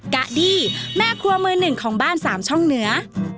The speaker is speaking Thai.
กะดี้แม่ครัวมือหนึ่งของบ้านสามช่องเหนือ